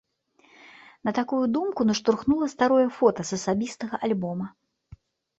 На такую думку наштурхнула старое фота з асабістага альбома.